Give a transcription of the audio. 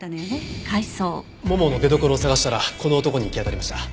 ももの出どころを捜したらこの男に行き当たりました。